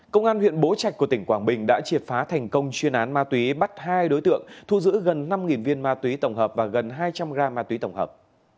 công an huyện bố trạch của tỉnh quảng bình đã triệt phá thành công chuyên án ma túy bắt hai đối tượng thu giữ gần năm viên ma túy tổng hợp và gần hai trăm linh g ma túy tổng hợp